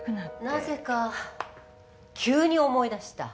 なぜか急に思い出した。